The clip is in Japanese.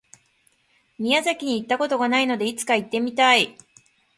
宮崎に行った事がないので、いつか行ってみたい。